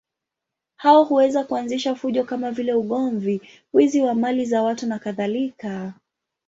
Hao huweza kuanzisha fujo kama vile ugomvi, wizi wa mali za watu nakadhalika.